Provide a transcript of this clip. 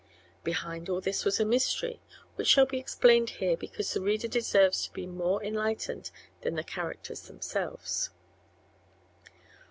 Behind all this was a mystery, which shall be explained here because the reader deserves to be more enlightened than the characters themselves.